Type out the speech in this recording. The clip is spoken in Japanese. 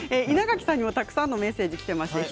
稲垣さんにも、たくさんのメッセージがきています。